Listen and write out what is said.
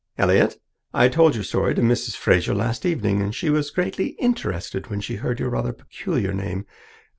Elliott, I told your story to Mrs. Fraser last evening, and she was greatly interested when she heard your rather peculiar name.